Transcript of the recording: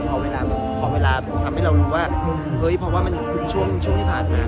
พอเวลามันพอเวลาทำให้เรารู้ว่าเฮ้ยเพราะว่ามันช่วงที่ผ่านมา